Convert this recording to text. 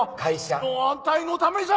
の安泰のためじゃ。